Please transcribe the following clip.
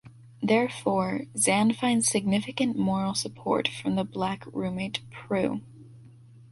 Therefore, Zan finds significant moral support from the black roommate Prue.